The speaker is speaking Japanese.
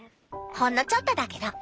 ほんのちょっとだけど。